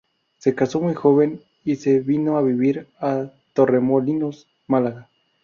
Se casó muy joven y se vino a vivir a Torremolinos, Málaga.